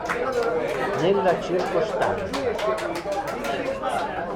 Nella circostanza.